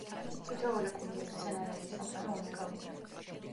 თითოეული კუნძულის მცენარეული სამყარო უნიკალურია.